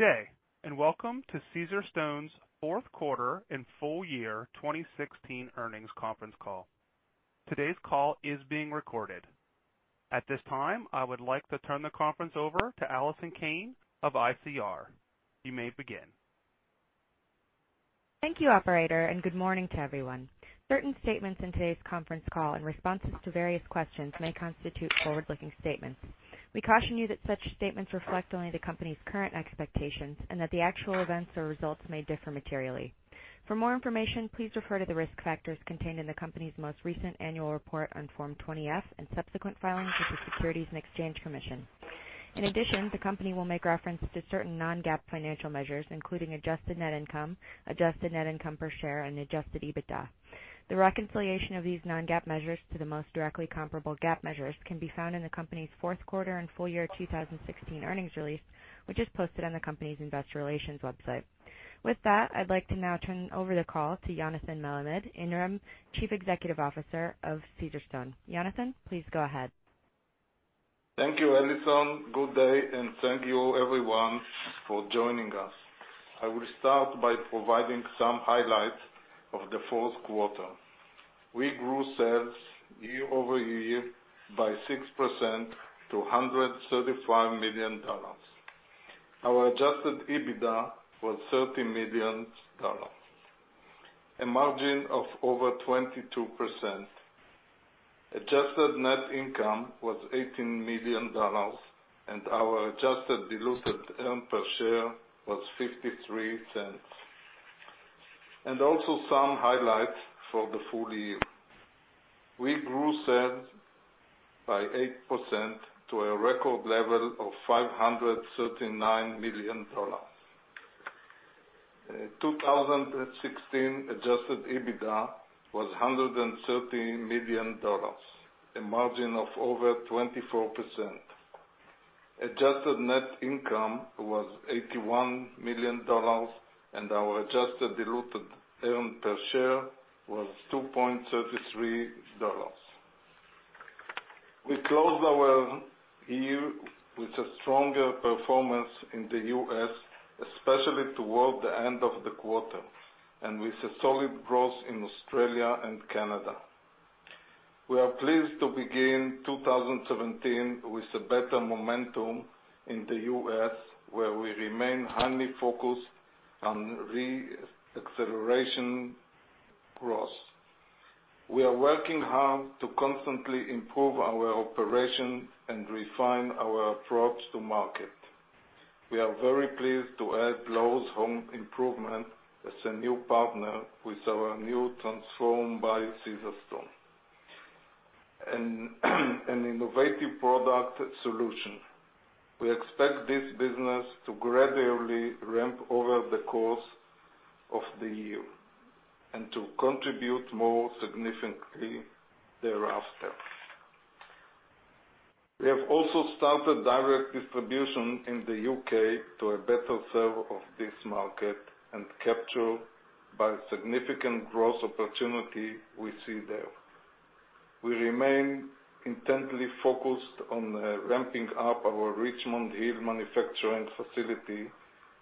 Good day, welcome to Caesarstone's fourth quarter and full year 2016 earnings conference call. Today's call is being recorded. At this time, I would like to turn the conference over to Allison Kane of ICR. You may begin. Thank you, operator, good morning to everyone. Certain statements in today's conference call and responses to various questions may constitute forward-looking statements. We caution you that such statements reflect only the company's current expectations and that the actual events or results may differ materially. For more information, please refer to the risk factors contained in the company's most recent annual report on Form 20-F and subsequent filings with the Securities and Exchange Commission. In addition, the company will make reference to certain non-GAAP financial measures, including adjusted net income, adjusted net income per share, and adjusted EBITDA. The reconciliation of these non-GAAP measures to the most directly comparable GAAP measures can be found in the company's fourth quarter and full year 2016 earnings release, which is posted on the company's investor relations website. With that, I'd like to now turn over the call to Yonatan Melamed, Interim Chief Executive Officer of Caesarstone. Yonatan, please go ahead. Thank you, Allison. Good day, thank you everyone for joining us. I will start by providing some highlights of the fourth quarter. We grew sales year-over-year by 6% to $135 million. Our adjusted EBITDA was $30 million, a margin of over 22%. Adjusted net income was $18 million, and our adjusted diluted earn per share was $0.53. Also some highlights for the full year. We grew sales by 8% to a record level of $539 million. 2016 adjusted EBITDA was $130 million, a margin of over 24%. Adjusted net income was $81 million, and our adjusted diluted earn per share was $2.33. We closed our year with a stronger performance in the U.S., especially toward the end of the quarter, and with a solid growth in Australia and Canada. We are pleased to begin 2017 with a better momentum in the U.S., where we remain highly focused on re-acceleration growth. We are working hard to constantly improve our operations and refine our approach to market. We are very pleased to add Lowe's Home Improvement as a new partner with our new Transform by Caesarstone, an innovative product solution. We expect this business to gradually ramp over the course of the year and to contribute more significantly thereafter. We have also started direct distribution in the U.K. to better serve this market and capture the significant growth opportunity we see there. We remain intently focused on ramping up our Richmond Hill manufacturing facility,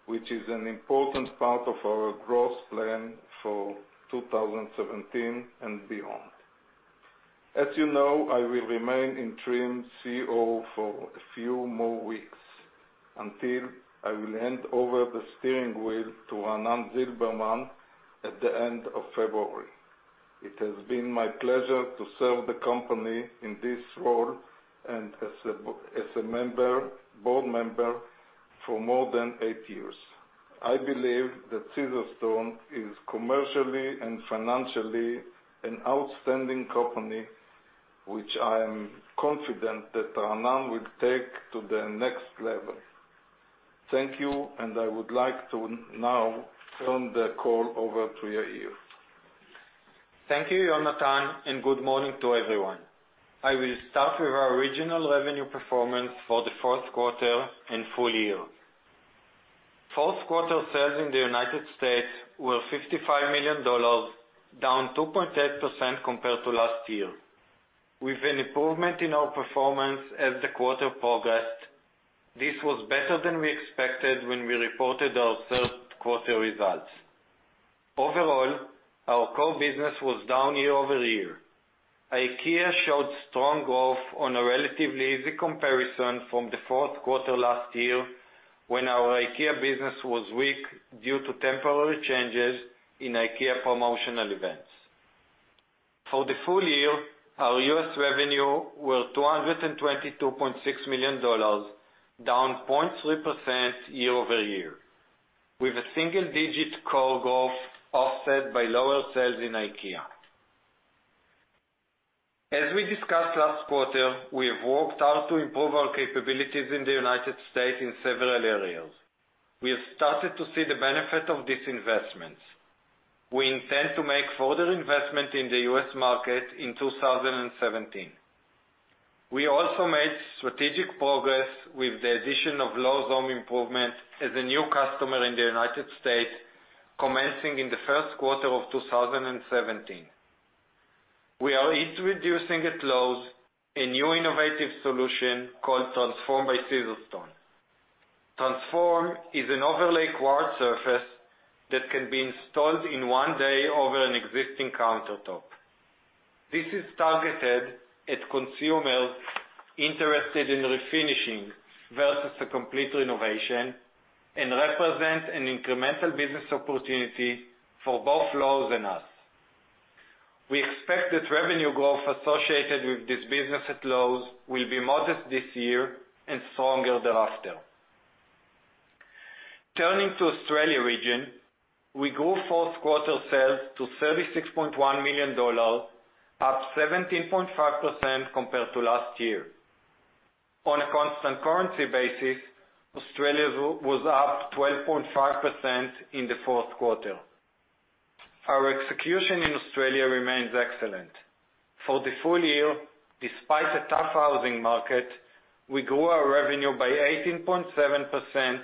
which is an important part of our growth plan for 2017 and beyond. As you know, I will remain interim CEO for a few more weeks until I will hand over the steering wheel to Raanan Zilberman at the end of February. It has been my pleasure to serve the company in this role and as a board member for more than eight years. I believe that Caesarstone is commercially and financially an outstanding company, which I am confident that Raanan will take to the next level. Thank you, and I would like to now turn the call over to Yair. Thank you, Yonatan, and good morning to everyone. I will start with our regional revenue performance for the fourth quarter and full year. Fourth quarter sales in the U.S. were $55 million, down 2.8% compared to last year. With an improvement in our performance as the quarter progressed, this was better than we expected when we reported our third-quarter results. Overall, our core business was down year-over-year. IKEA showed strong growth on a relatively easy comparison from the fourth quarter last year, when our IKEA business was weak due to temporary changes in IKEA promotional events. For the full year, our U.S. revenue was $222.6 million, down 0.3% year-over-year, with a single-digit core growth offset by lower sales in IKEA. As we discussed last quarter, we have worked hard to improve our capabilities in the U.S. in several areas. We have started to see the benefit of these investments. We intend to make further investment in the U.S. market in 2017. We also made strategic progress with the addition of Lowe's Home Improvement as a new customer in the U.S., commencing in the first quarter of 2017. We are introducing at Lowe's a new innovative solution called Transform by Caesarstone. Transform is an overlay quartz surface that can be installed in one day over an existing countertop. This is targeted at consumers interested in refinishing versus a complete renovation and represents an incremental business opportunity for both Lowe's and us. We expect that revenue growth associated with this business at Lowe's will be modest this year and stronger thereafter. Turning to Australia region, we grew fourth-quarter sales to $36.1 million, up 17.5% compared to last year. On a constant currency basis, Australia was up 12.5% in the fourth quarter. Our execution in Australia remains excellent. For the full year, despite a tough housing market, we grew our revenue by 18.7%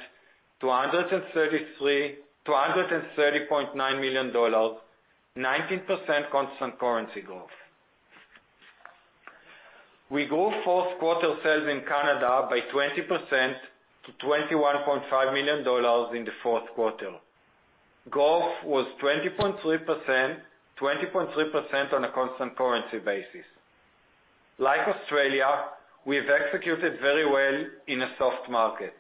to $130.9 million, 19% constant currency growth. We grew fourth-quarter sales in Canada by 20% to $21.5 million in the fourth quarter. Growth was 20.3% on a constant currency basis. Like Australia, we've executed very well in a soft market.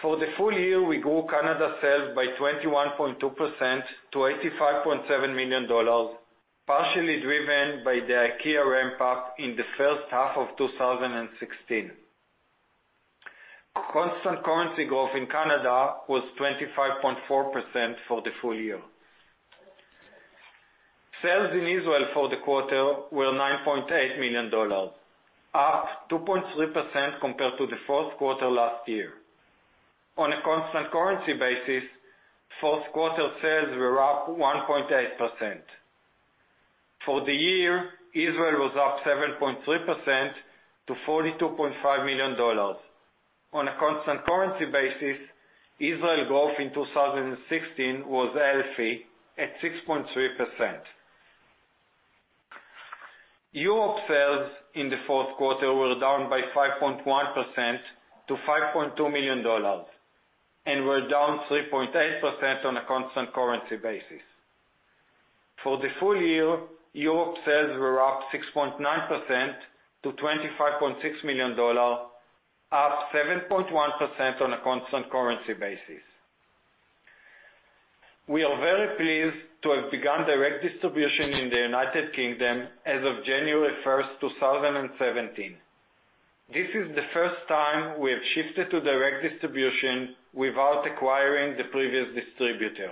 For the full year, we grew Canada sales by 21.2% to $85.7 million, partially driven by the IKEA ramp-up in the first half of 2016. Constant currency growth in Canada was 25.4% for the full year. Sales in Israel for the quarter were $9.8 million, up 2.3% compared to the fourth quarter last year. On a constant currency basis, fourth-quarter sales were up 1.8%. For the year, Israel was up 7.3% to $42.5 million. On a constant currency basis, Israel growth in 2016 was healthy at 6.3%. Europe sales in the fourth quarter were down by 5.1% to $5.2 million and were down 3.8% on a constant currency basis. For the full year, Europe sales were up 6.9% to $25.6 million, up 7.1% on a constant currency basis. We are very pleased to have begun direct distribution in the United Kingdom as of January 1st, 2017. This is the first time we have shifted to direct distribution without acquiring the previous distributor.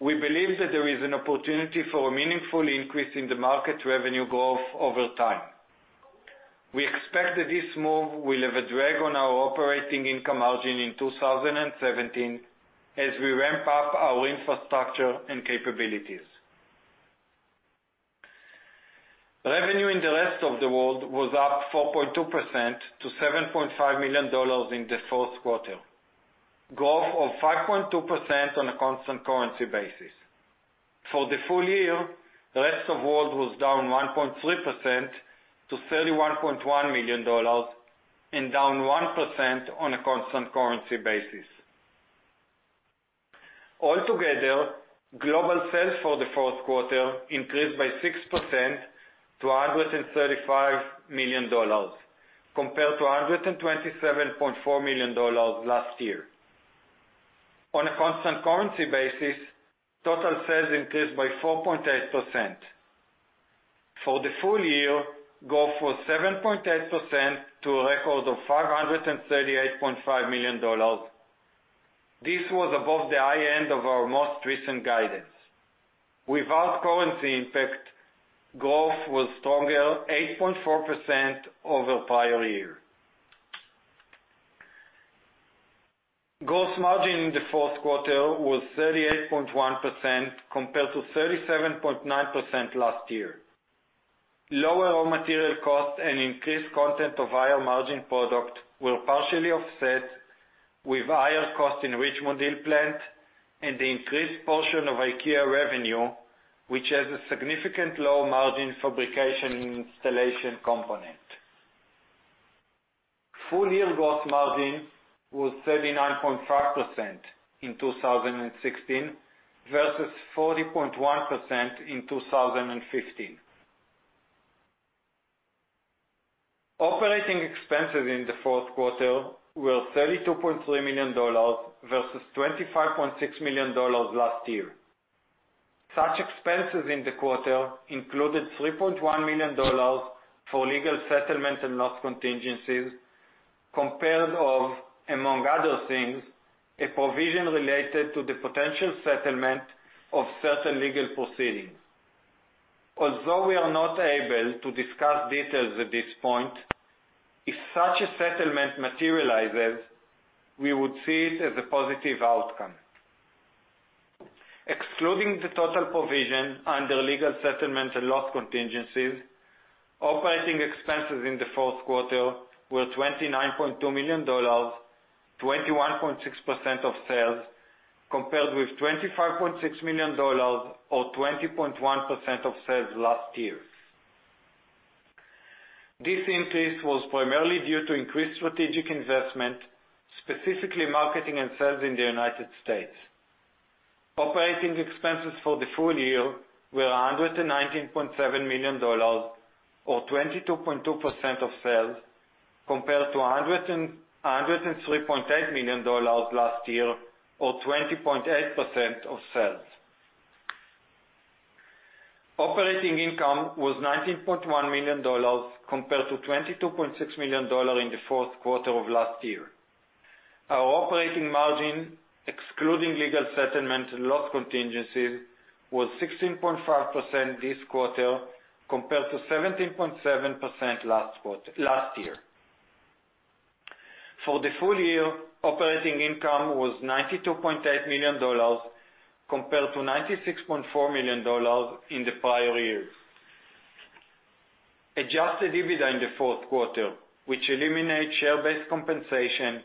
We believe that there is an opportunity for a meaningful increase in the market revenue growth over time. We expect that this move will have a drag on our operating income margin in 2017 as we ramp up our infrastructure and capabilities. Revenue in the rest of the world was up 4.2% to $7.5 million in the fourth quarter, growth of 5.2% on a constant currency basis. For the full year, the rest of world was down 1.3% to $31.1 million and down 1% on a constant currency basis. Altogether, global sales for the fourth quarter increased by 6% to $135 million compared to $127.4 million last year. On a constant currency basis, total sales increased by 4.8%. For the full year, growth was 7.8% to a record of $538.5 million. This was above the high end of our most recent guidance. Without currency impact, growth was stronger, 8.4% over prior year. Gross margin in the fourth quarter was 38.1% compared to 37.9% last year. Lower raw material costs and increased content of higher-margin product were partially offset with higher costs in Richmond Hill plant and the increased portion of IKEA revenue, which has a significant low margin fabrication and installation component. Full-year gross margin was 39.5% in 2016 versus 40.1% in 2015. Operating expenses in the fourth quarter were $32.3 million versus $25.6 million last year. Such expenses in the quarter included $3.1 million for legal settlement and loss contingencies, composed of, among other things, a provision related to the potential settlement of certain legal proceedings. Although we are not able to discuss details at this point, if such a settlement materializes, we would see it as a positive outcome. Excluding the total provision under legal settlement and loss contingencies, operating expenses in the fourth quarter were $29.2 million, 21.6% of sales, compared with $25.6 million or 20.1% of sales last year. This increase was primarily due to increased strategic investment, specifically marketing and sales in the U.S. Operating expenses for the full year were $119.7 million or 22.2% of sales, compared to $103.8 million last year, or 20.8% of sales. Operating income was $19.1 million compared to $22.6 million in the fourth quarter of last year. Our operating margin, excluding legal settlement and loss contingencies, was 16.5% this quarter, compared to 17.7% last year. For the full year, operating income was $92.8 million compared to $96.4 million in the prior year. Adjusted EBITDA in the fourth quarter, which eliminates share-based compensation,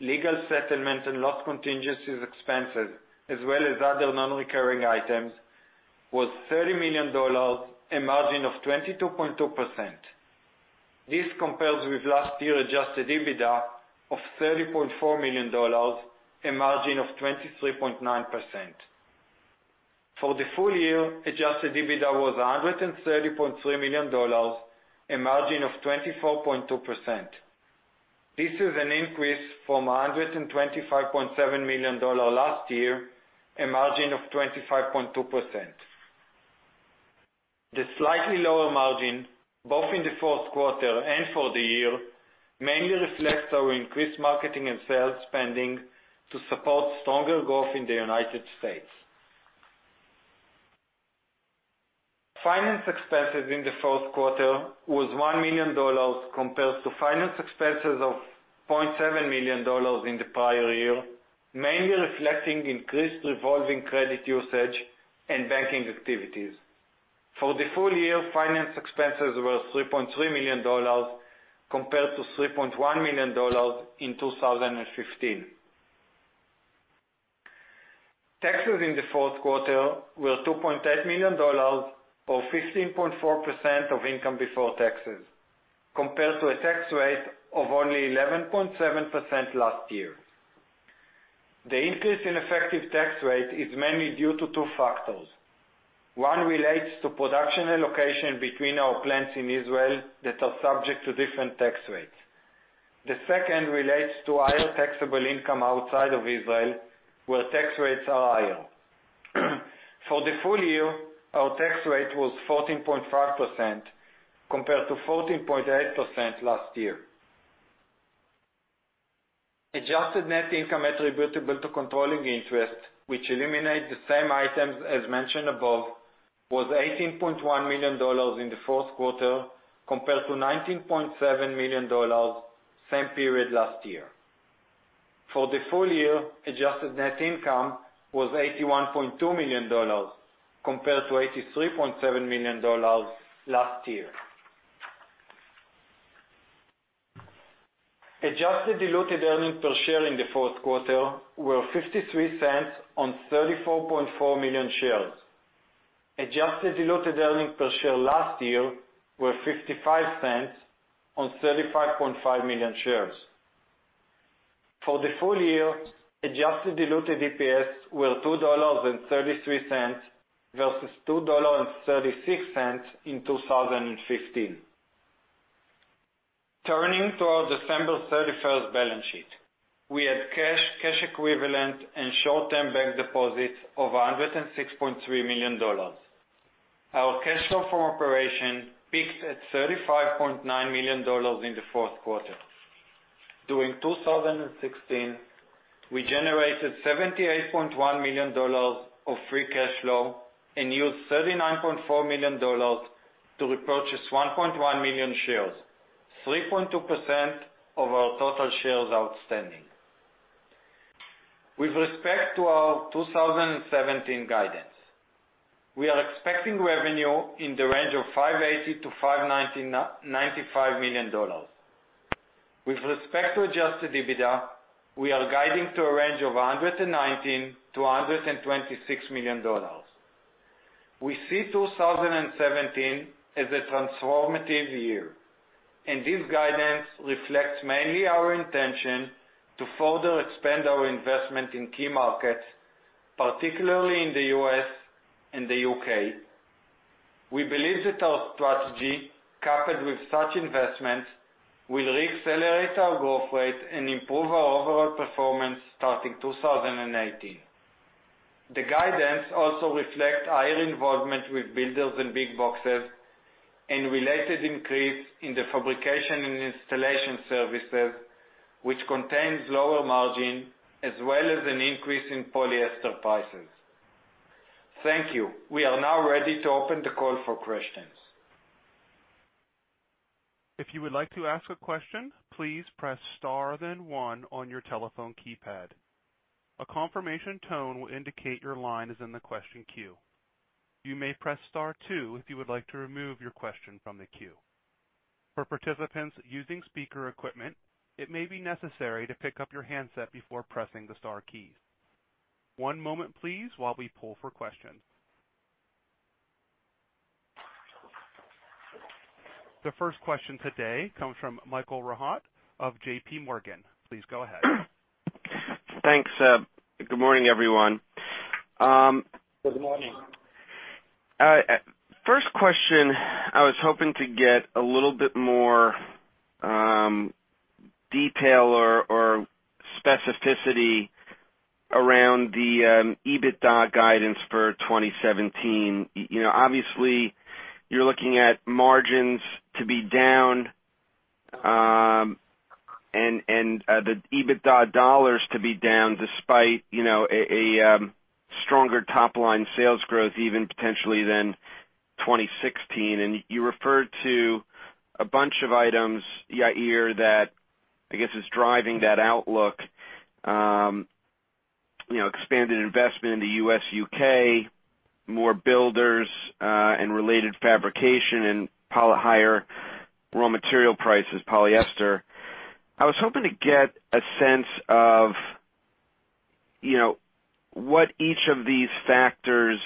legal settlement, and loss contingencies expenses, as well as other non-recurring items, was $30 million, a margin of 22.2%. This compares with last year's adjusted EBITDA of $30.4 million, a margin of 23.9%. For the full year, adjusted EBITDA was $130.3 million, a margin of 24.2%. This is an increase from $125.7 million last year, a margin of 25.2%. The slightly lower margin, both in the fourth quarter and for the year, mainly reflects our increased marketing and sales spending to support stronger growth in the U.S. Finance expenses in the fourth quarter was $1 million, compared to finance expenses of $0.7 million in the prior year, mainly reflecting increased revolving credit usage and banking activities. For the full year, finance expenses were $3.3 million compared to $3.1 million in 2015. Taxes in the fourth quarter were $2.8 million or 15.4% of income before taxes, compared to a tax rate of only 11.7% last year. The increase in effective tax rate is mainly due to two factors. One relates to production allocation between our plants in Israel that are subject to different tax rates. The second relates to higher taxable income outside of Israel, where tax rates are higher. For the full year, our tax rate was 14.5% compared to 14.8% last year. Adjusted net income attributable to controlling interest, which eliminates the same items as mentioned above, was $18.1 million in the fourth quarter compared to $19.7 million same period last year. For the full year, adjusted net income was $81.2 million compared to $83.7 million last year. Adjusted diluted earnings per share in the fourth quarter were $0.53 on 34.4 million shares. Adjusted diluted earnings per share last year were $0.55 on 35.5 million shares. For the full year, adjusted diluted EPS were $2.33 versus $2.36 in 2015. Turning to our December 31st balance sheet. We had cash equivalents, and short-term bank deposits of $106.3 million. Our cash flow from operation peaked at $35.9 million in the fourth quarter. During 2016, we generated $78.1 million of free cash flow and used $39.4 million to repurchase 1.1 million shares, 3.2% of our total shares outstanding. With respect to our 2017 guidance, we are expecting revenue in the range of $580 million-$595 million. With respect to adjusted EBITDA, we are guiding to a range of $119 million-$126 million. We see 2017 as a transformative year, and this guidance reflects mainly our intention to further expand our investment in key markets, particularly in the U.S. and the U.K. We believe that our strategy, coupled with such investments, will re-accelerate our growth rate and improve our overall performance starting 2018. The guidance also reflects higher involvement with builders and big boxes and related increase in the fabrication and installation services, which contains lower margin, as well as an increase in polyester prices. Thank you. We are now ready to open the call for questions. If you would like to ask a question, please press star then one on your telephone keypad. A confirmation tone will indicate your line is in the question queue. You may press star two if you would like to remove your question from the queue. For participants using speaker equipment, it may be necessary to pick up your handset before pressing the star keys. One moment please, while we pull for questions. The first question today comes from Michael Rehaut of J.P. Morgan. Please go ahead. Thanks. Good morning, everyone. Good morning. First question, I was hoping to get a little bit more detail or specificity around the EBITDA guidance for 2017. Obviously, you are looking at margins to be down, and the EBITDA dollars to be down despite a stronger top-line sales growth even potentially than 2016. You referred to a bunch of items, Yair, that I guess is driving that outlook. Expanded investment in the U.S., U.K., more builders, and related fabrication and higher raw material prices, polyester. I was hoping to get a sense of what each of these factors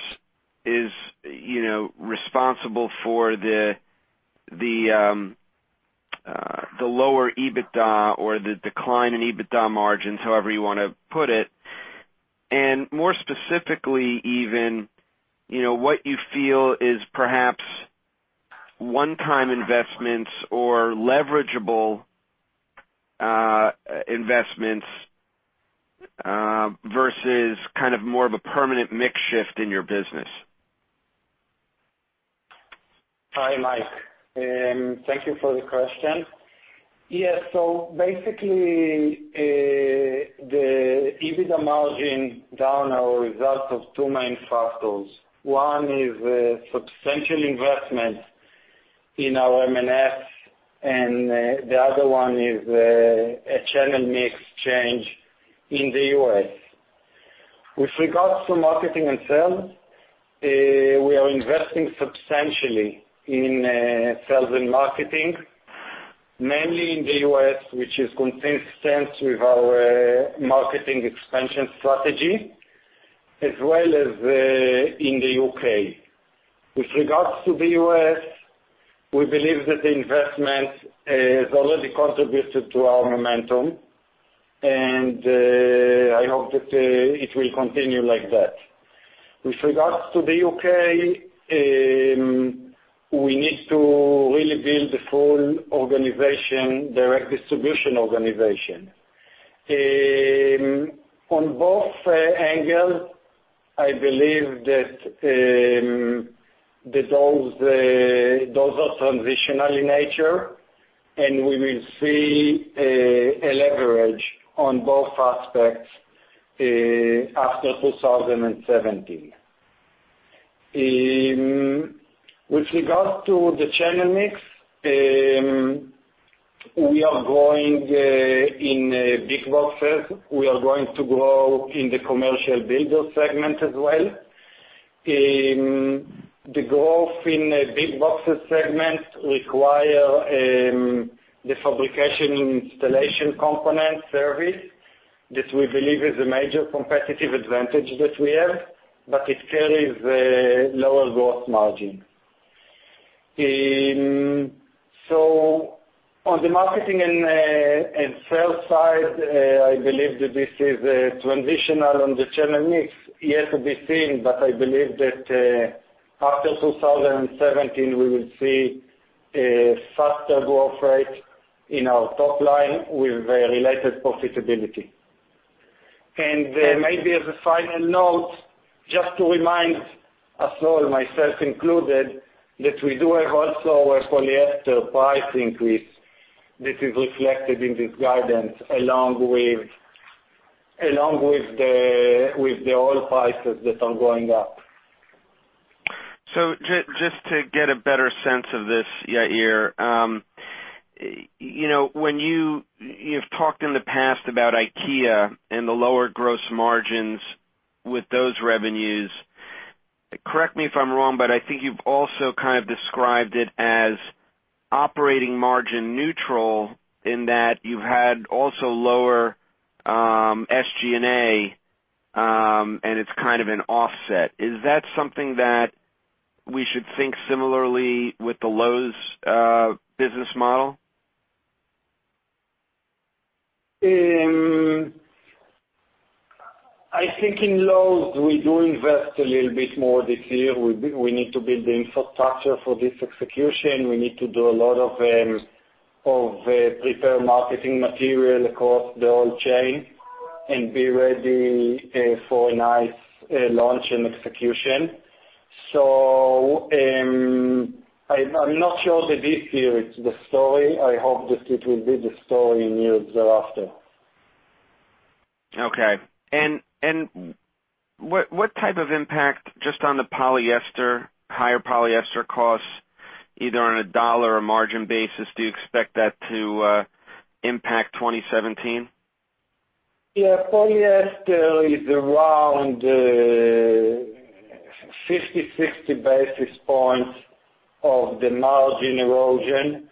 is responsible for the lower EBITDA or the decline in EBITDA margins, however you want to put it. More specifically even, what you feel is perhaps one-time investments or leverageable investments, versus kind of more of a permanent mix shift in your business. Hi, Mike. Thank you for the question. Yes. Basically, the EBITDA margin down are a result of two main factors. One is a substantial investment in our M&S, and the other one is a channel mix change in the U.S. With regards to marketing and sales, we are investing substantially in sales and marketing, mainly in the U.S., which is consistent with our marketing expansion strategy, as well as in the U.K. With regards to the U.S., we believe that the investment has already contributed to our momentum, and I hope that it will continue like that. With regards to the U.K., we need to really build a full direct distribution organization. On both angles, I believe that those are transitional in nature, and we will see a leverage on both aspects after 2017. With regard to the channel mix, we are growing in big boxes. We are going to grow in the commercial builder segment as well. The growth in the big boxes segment require the fabrication installation component service, that we believe is a major competitive advantage that we have, but it carries a lower gross margin. On the marketing and sales side, I believe that this is transitional. On the channel mix, yet to be seen, but I believe that after 2017, we will see a faster growth rate in our top line with a related profitability. Maybe as a final note, just to remind us all, myself included, that we do have also a polyester price increase that is reflected in this guidance, along with the oil prices that are going up. Just to get a better sense of this, Yair. You have talked in the past about IKEA and the lower gross margins with those revenues. Correct me if I am wrong, but I think you have also kind of described it as operating margin neutral in that you have had also lower SG&A, and it is kind of an offset. Is that something that we should think similarly with the Lowe's business model? I think in Lowe's, we do invest a little bit more this year. We need to build the infrastructure for this execution. We need to do a lot of prepare marketing material across the whole chain and be ready for a nice launch and execution. I'm not sure that this year it's the story. I hope that it will be the story in years thereafter. Okay. What type of impact, just on the higher polyester costs, either on a dollar or margin basis, do you expect that to impact 2017? Yeah. polyester is around 50, 60 basis points of the margin erosion.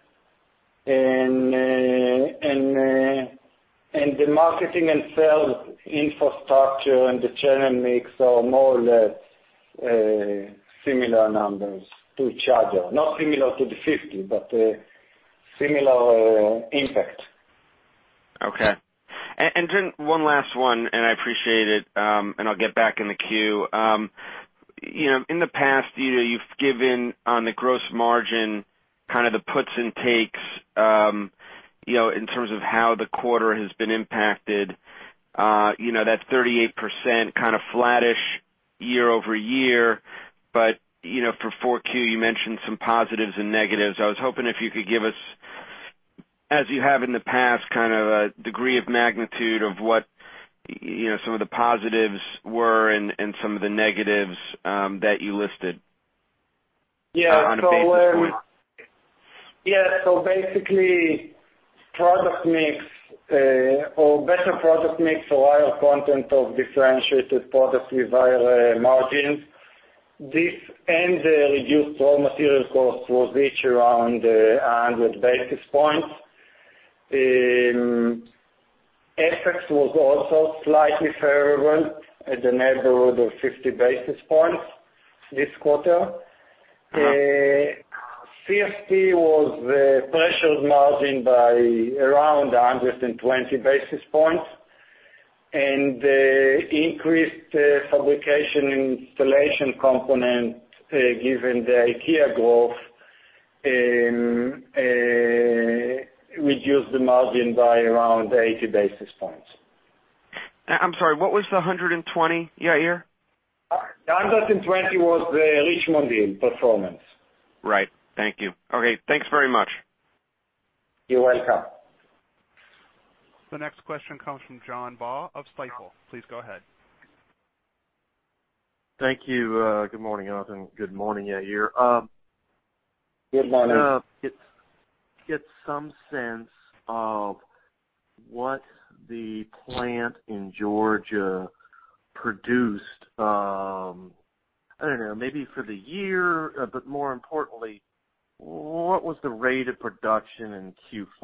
The marketing and sales infrastructure and the channel mix are more or less similar numbers to each other. Not similar to the 50, but similar impact. Okay. One last one, and I appreciate it, and I'll get back in the queue. In the past, you've given, on the gross margin, kind of the puts and takes, in terms of how the quarter has been impacted. That 38% kind of flattish year-over-year, but for 4Q, you mentioned some positives and negatives. I was hoping if you could give us, as you have in the past, kind of a degree of magnitude of what some of the positives were and some of the negatives that you listed. Yeah. On a basis point. Yeah. Basically, better product mix or higher content of differentiated products with higher margins. This and the reduced raw material cost was each around 100 basis points. FX was also slightly favorable at the neighborhood of 50 basis points this quarter. CFP pressured the margin by around 120 basis points, and increased fabrication installation component, given the IKEA growth, reduced the margin by around 80 basis points. I'm sorry, what was the 120, Yair? 120 was the Richmond Hill performance. Right. Thank you. Okay, thanks very much. You're welcome. The next question comes from John Baugh of Stifel. Please go ahead. Thank you. Good morning, Yonatan. Good morning, Yair. Good morning. Can get some sense of what the plant in Georgia produced, I don't know, maybe for the year, more importantly, what was the rate of production in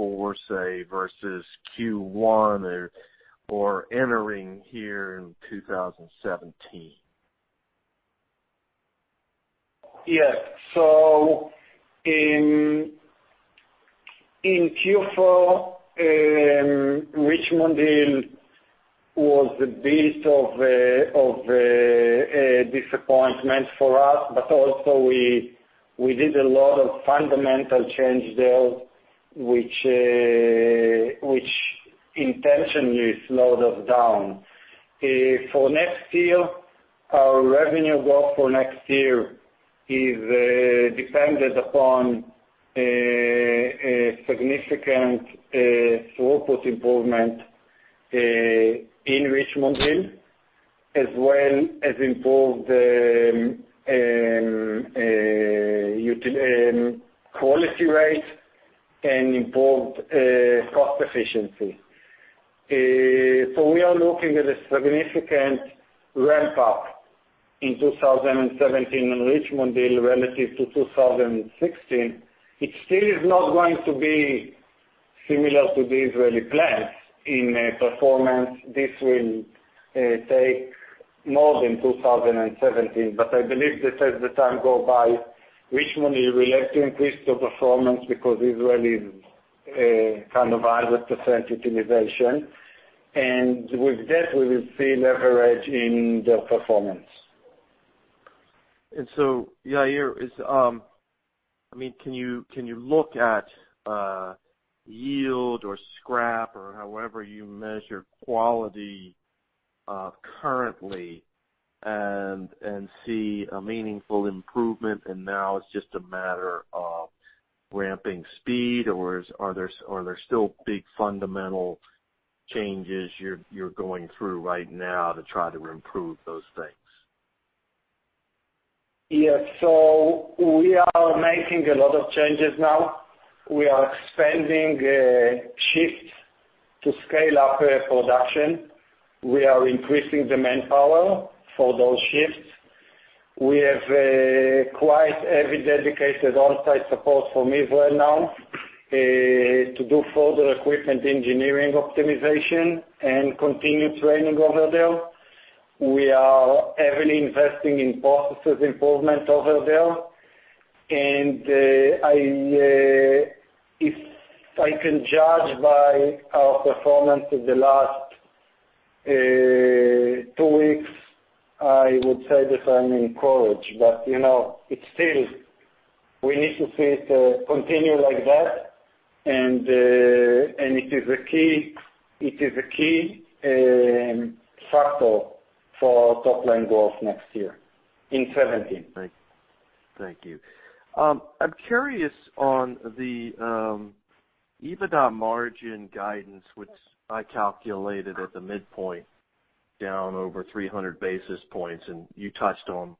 Q4, say, versus Q1, or entering here in 2017? Yes. In Q4, Richmond Hill was a bit of a disappointment for us. Also, we did a lot of fundamental change there, which intentionally slowed us down. For next year, our revenue growth for next year is dependent upon a significant throughput improvement in Richmond Hill as well as improved quality rate and improved cost efficiency. We are looking at a significant ramp-up in 2017 in Richmond Hill relative to 2016. It still is not going to be similar to the Israeli plants in performance. This will take more than 2017, I believe that as the time go by, Richmond will have to increase the performance because Israeli is kind of our % utilization. With that, we will see leverage in their performance. Yair, can you look at yield or scrap or however you measure quality currently and see a meaningful improvement, and now it's just a matter of ramping speed, or are there still big fundamental changes you're going through right now to try to improve those things? Yes. We are making a lot of changes now. We are expanding shifts to scale up production. We are increasing the manpower for those shifts. We have quite heavy dedicated on-site support from Israel now to do further equipment engineering optimization and continue training over there. We are heavily investing in processes improvement over there. If I can judge by our performance in the last two weeks, I would say that I'm encouraged. We need to see it continue like that, and it is a key factor for our top-line growth next year, in 2017. Right. Thank you. I'm curious on the EBITDA margin guidance, which I calculated at the midpoint, down over 300 basis points, and you touched on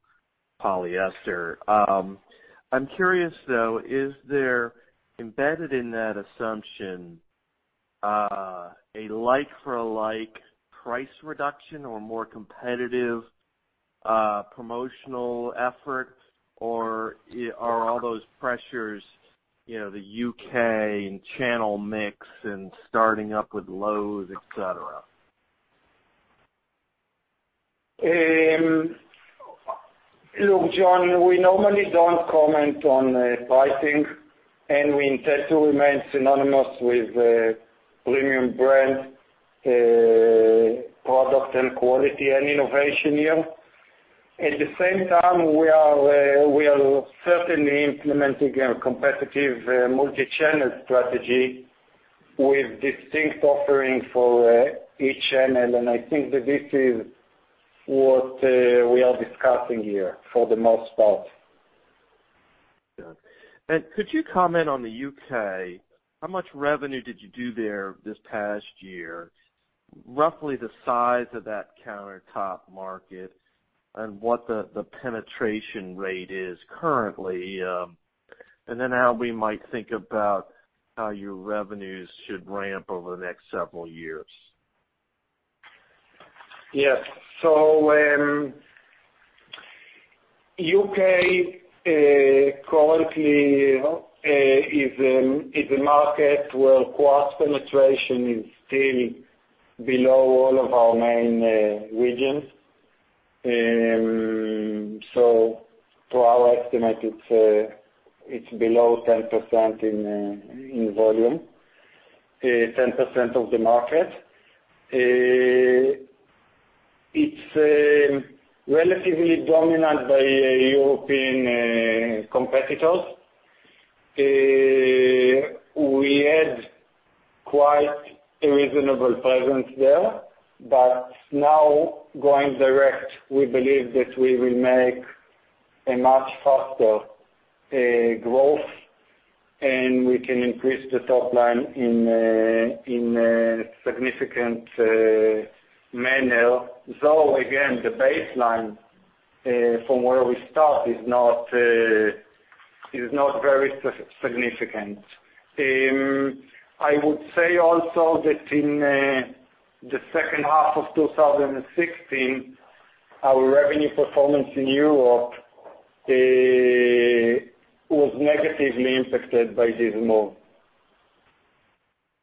polyester. I'm curious, though, is there, embedded in that assumption, a like-for-like price reduction or more competitive promotional effort, or are all those pressures the U.K., and channel mix, and starting up with Lowe's, et cetera? John, we normally don't comment on pricing. We intend to remain synonymous with premium brand, product, and quality, and innovation here. At the same time, we are certainly implementing a competitive multi-channel strategy with distinct offering for each channel. I think that this is what we are discussing here for the most part. Could you comment on the U.K.? How much revenue did you do there this past year, roughly the size of that countertop market, and what the penetration rate is currently? How we might think about how your revenues should ramp over the next several years. Yes. The U.K. currently is a market where quartz penetration is still below all of our main regions. To our estimate, it is below 10% in volume, 10% of the market. It is relatively dominant by European competitors. We had quite a reasonable presence there. Now going direct, we believe that we will make a much faster growth, and we can increase the top line in a significant manner. Though, again, the baseline from where we start is not very significant. I would say also that in the second half of 2016, our revenue performance in Europe was negatively impacted by this move.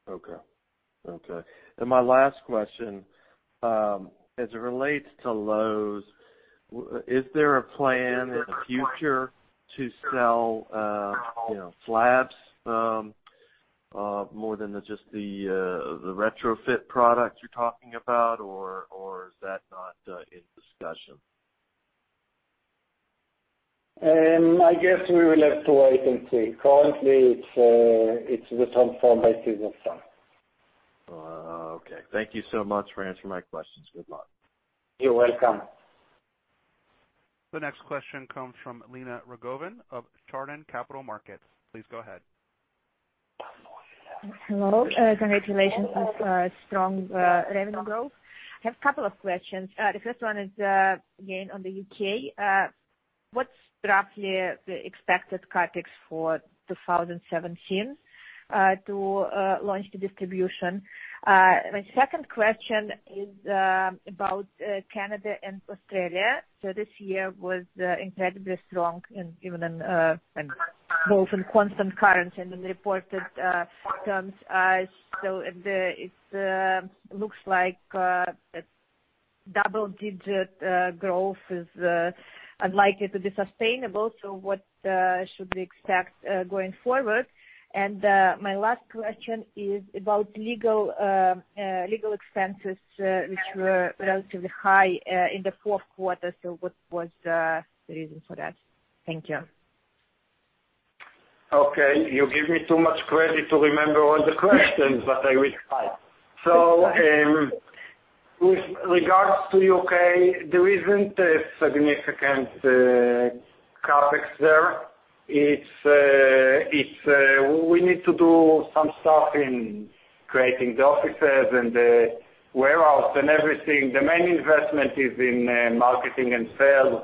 Okay. My last question, as it relates to Lowe's, is there a plan in the future to sell slabs more than just the retrofit product you are talking about, or is that not in discussion? I guess we will have to wait and see. Currently, it is the Transform by Caesarstone. Okay. Thank you so much for answering my questions. Good luck. You're welcome. The next question comes from Lena Rogovin of Chardan Capital Markets. Please go ahead. Hello. Congratulations on strong revenue growth. I have a couple of questions. The first one is, again, on the U.K. What's roughly the expected CapEx for 2017 to launch the distribution? My second question is about Canada and Australia. This year was incredibly strong, even in both in constant currency and in reported terms. It looks like double-digit growth is unlikely to be sustainable, so what should we expect going forward? My last question is about legal expenses, which were relatively high in the fourth quarter. What was the reason for that? Thank you. Okay. You give me too much credit to remember all the questions, but I will try. With regards to U.K., there isn't a significant CapEx there. We need to do some stuff in creating the offices and the warehouse and everything. The main investment is in marketing and sales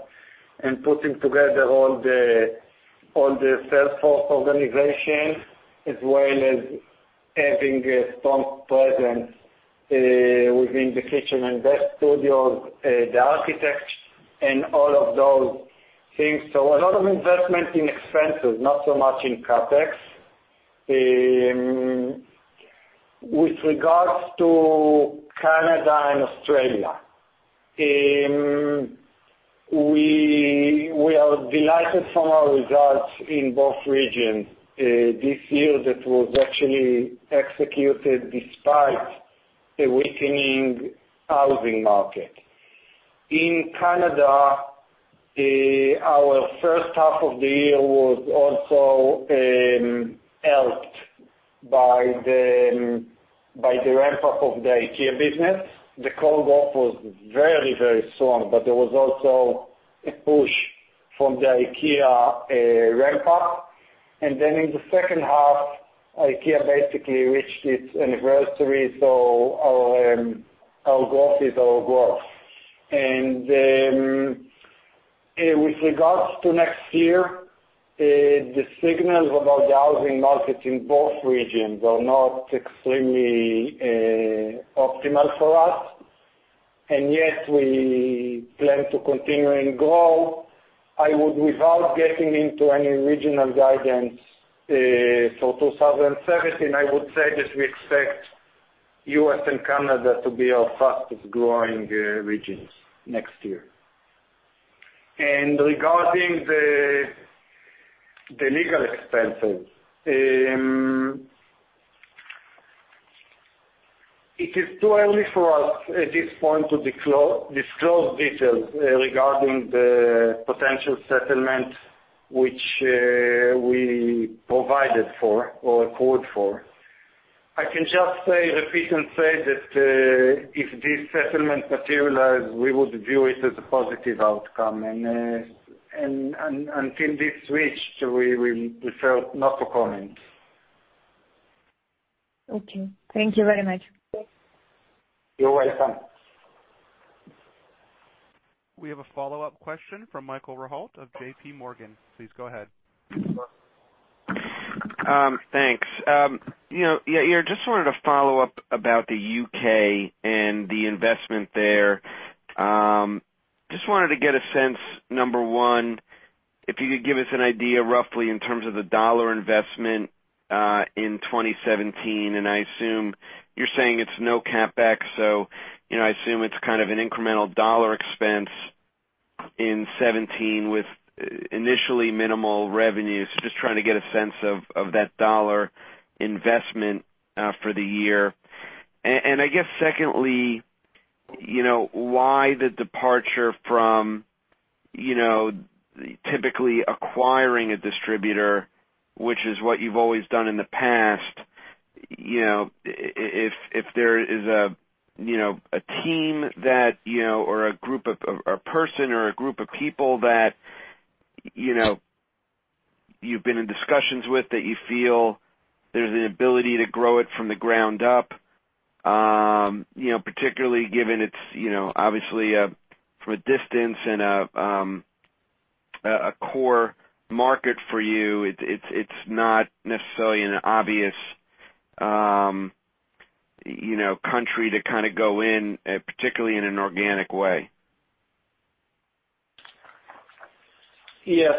and putting together all the sales force organization, as well as having a strong presence within the kitchen and bath studios, the architects, and all of those things. A lot of investment in expenses, not so much in CapEx. With regards to Canada and Australia, we are delighted from our results in both regions. This year that was actually executed despite a weakening housing market. In Canada, our first half of the year was also by the ramp-up of the IKEA business. The cold off was very strong, there was also a push from the IKEA ramp-up. In the second half, IKEA basically reached its anniversary, our growth is our growth. With regards to next year, the signals about the housing markets in both regions are not extremely optimal for us, we plan to continue and grow. Without getting into any regional guidance for 2017, I would say that we expect U.S. and Canada to be our fastest-growing regions next year. Regarding the legal expenses, it is too early for us at this point to disclose details regarding the potential settlement which we provided for or accrued for. I can just repeat and say that if this settlement materialize, we would view it as a positive outcome. Until this reached, we prefer not to comment. Okay. Thank you very much. You're welcome. We have a follow-up question from Michael Rehaut of J.P. Morgan. Please go ahead. Thanks. Yair, just wanted to follow up about the U.K. and the investment there. Just wanted to get a sense, number 1, if you could give us an idea roughly in terms of the $ investment, in 2017, and I assume you're saying it's no CapEx, I assume it's kind of an incremental $ expense in 2017 with initially minimal revenues. Just trying to get a sense of that $ investment for the year. I guess secondly, why the departure from typically acquiring a distributor, which is what you've always done in the past, if there is a team that or a person or a group of people that you've been in discussions with, that you feel there's an ability to grow it from the ground up, particularly given it's obviously, from a distance and a core market for you, it's not necessarily an obvious country to kind of go in, particularly in an organic way. Yes.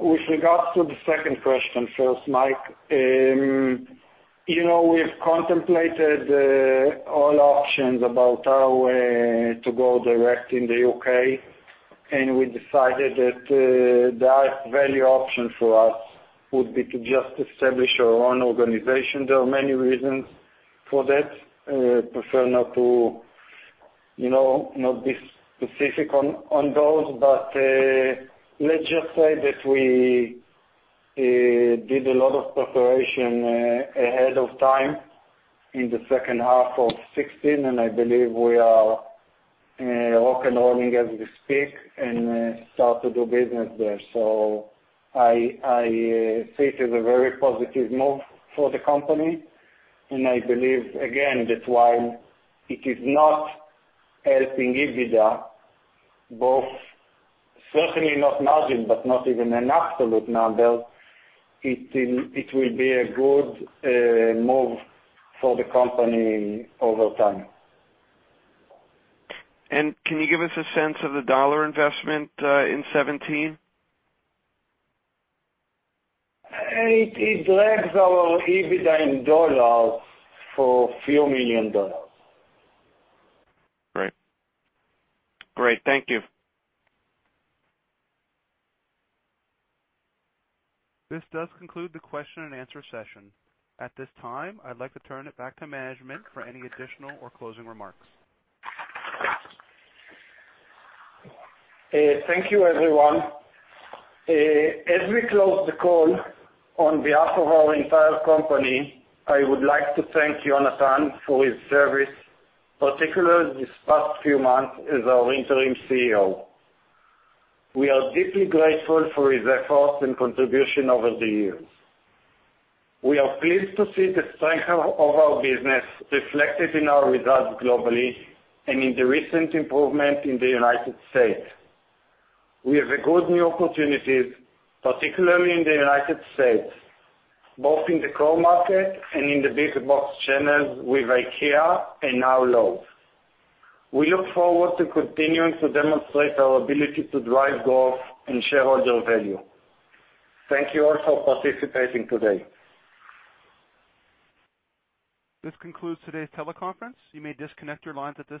With regards to the second question first, Mike, we've contemplated all options about our way to go direct in the U.K., and we decided that the best value option for us would be to just establish our own organization. There are many reasons for that. I prefer not to be specific on those, but, let's just say that we did a lot of preparation ahead of time in the second half of 2016, and I believe we are rock and rolling as we speak and start to do business there. I see it as a very positive move for the company, and I believe, again, that while it is not helping EBITDA, both certainly not margin, but not even an absolute number, it will be a good move for the company over time. Can you give us a sense of the $ investment in 2017? It drags our EBITDA in $ for few $ million. Great. Thank you. This does conclude the question and answer session. At this time, I'd like to turn it back to management for any additional or closing remarks. Thank you, everyone. As we close the call, on behalf of our entire company, I would like to thank Yonatan for his service, particularly these past few months as our interim CEO. We are deeply grateful for his efforts and contribution over the years. We are pleased to see the strength of our business reflected in our results globally and in the recent improvement in the United States. We have good new opportunities, particularly in the United States, both in the core market and in the bigger box channels with IKEA and now Lowe's. We look forward to continuing to demonstrate our ability to drive growth and shareholder value. Thank you all for participating today. This concludes today's teleconference. You may disconnect your lines at this time.